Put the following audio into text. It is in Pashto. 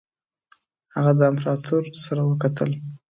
هغه د امپراطور سره وکتل.